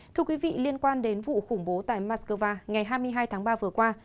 thưa quý vị liên quan đến vụ khủng bố tại moscow ngày hai mươi hai tháng ba vừa qua